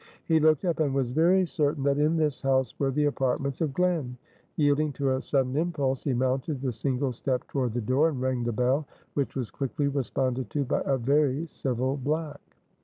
He looked up, and was very certain that in this house were the apartments of Glen. Yielding to a sudden impulse, he mounted the single step toward the door, and rang the bell, which was quickly responded to by a very civil black.